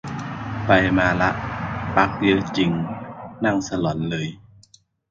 ไปมาละ ปลั๊กเยอะจริง นั่งสลอนเลย